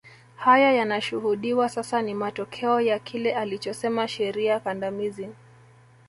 Haya yanayoshuhudiwa sasa ni matokeo ya kile alichosema sheria kandamizi